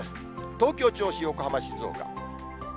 東京、銚子、横浜、静岡。